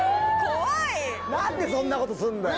何でそんなことすんだよ。